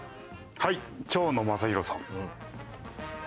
はい蝶野正洋さん。